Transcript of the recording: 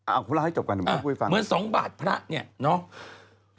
อ้าวคุณล่าให้จบกันเดี๋ยวพูดฟังเหมือน๒บาทพระเนี่ยเนาะ